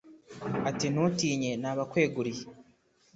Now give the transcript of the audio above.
ati ntutinye, nabakweguriye